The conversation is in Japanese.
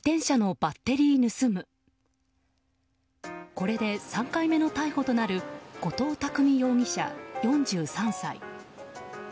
これで３回目の逮捕となる後藤巧容疑者、４３歳。